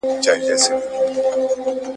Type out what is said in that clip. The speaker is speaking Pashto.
انګرېزان کندهار ته را رهي سول.